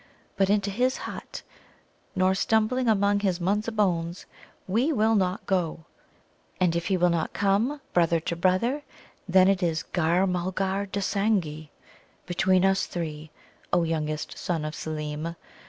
But into his hut, nor stumbling among his Munza bones, we will not go. And if he will not come, brother to brother, then it is 'Gar Mulgar dusangee' between us three, O youngest son of Seelem.